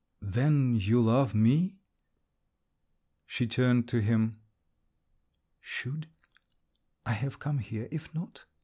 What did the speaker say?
Then you love me?" She turned to him. "Should … I have come here, if not?"